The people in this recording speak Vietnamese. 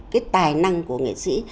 cái tài năng của nghệ sĩ